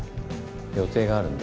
予定があるんで。